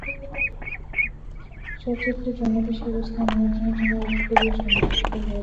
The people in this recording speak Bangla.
সচিত্র যৌন বিষয়বস্তু অনুমোদনের জন্য উইকিপিডিয়া সমালোচিত হয়েছে।